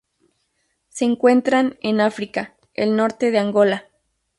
Se encuentran en África: el norte de Angola.